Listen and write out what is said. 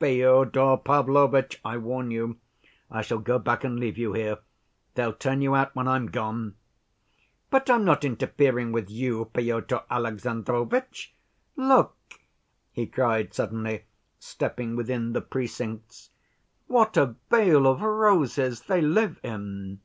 "Fyodor Pavlovitch, I warn you I shall go back and leave you here. They'll turn you out when I'm gone." "But I'm not interfering with you, Pyotr Alexandrovitch. Look," he cried suddenly, stepping within the precincts, "what a vale of roses they live in!"